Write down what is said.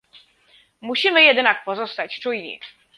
Musimy jednak pozostać czujni